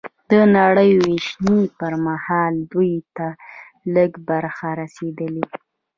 د نړۍ وېشنې پر مهال دوی ته لږ برخه رسېدلې